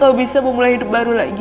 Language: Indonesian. kalau bisa memulai hidup baru lagi